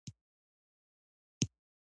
له پېښور پوهنتون یې دوکتورا هم واخیسته.